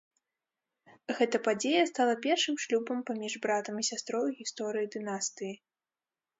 Гэта падзея стала першым шлюбам паміж братам і сястрой у гісторыі дынастыі.